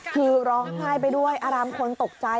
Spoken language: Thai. คือร้องไห้ไปด้วยอารามคนตกใจ